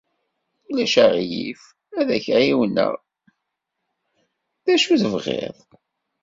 -Ulac aɣilif ad ak-εiwneɣ, d acu tebɣiḍ?